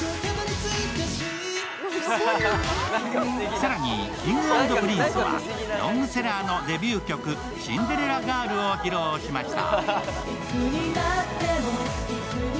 更に、Ｋｉｎｇ＆Ｐｒｉｎｃｅはロングセラーのデビュー曲、「シンデレラガール」を披露しました。